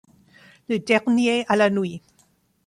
Le dernier à la nuit.